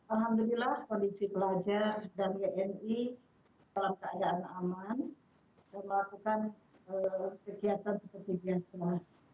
alhamdulillah kondisi pelajar dan wni dalam keadaan aman dan melakukan kegiatan seperti biasa